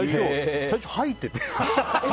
最初、吐いてて。